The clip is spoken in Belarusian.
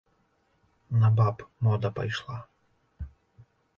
На баб мода пайшла.